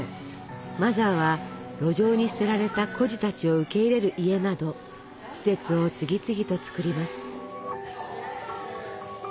マザーは路上に捨てられた孤児たちを受け入れる家など施設を次々とつくります。